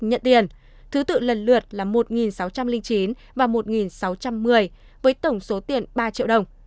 nhận tiền thứ tự lần lượt là một sáu trăm linh chín và một sáu trăm một mươi với tổng số tiền ba triệu đồng